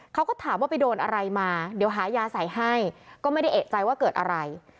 เขาก็ถามว่าไปโดนอะไรมาเดี๋ยวหายาใส่ให้ก็ไม่ได้เอกใจว่าเกิดอะไร